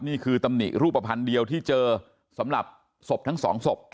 ตำหนิรูปภัณฑ์เดียวที่เจอสำหรับศพทั้งสองศพ